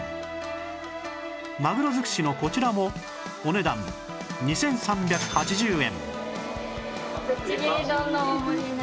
マグロ尽くしのこちらもお値段２３８０円